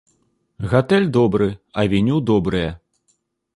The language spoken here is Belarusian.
Гатэль добры, авеню добрыя.